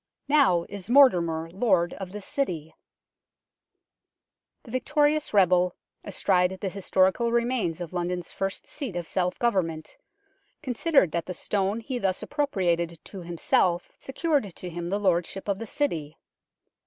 " Now is Mortimer lord of this city !" The victorious rebel, astride the historical remains of London's first seat of self government, considered that the stone he thus appropriated to himself secured to him the lordship of the City.